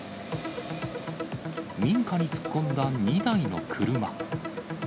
民家に突っ込んだ２台の車。